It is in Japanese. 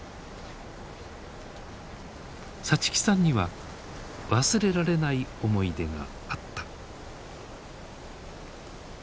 さちきさんには忘れられない思い出があった。